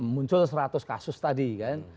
muncul seratus kasus tadi kan